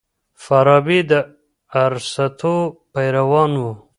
فارابي د ارسطو پیروان و.